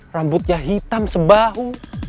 rambutnya hitam sebau